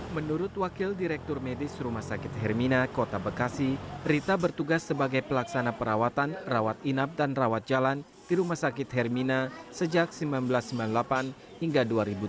menurut wakil direktur medis rumah sakit hermina kota bekasi rita bertugas sebagai pelaksana perawatan rawat inap dan rawat jalan di rumah sakit hermina sejak seribu sembilan ratus sembilan puluh delapan hingga dua ribu tujuh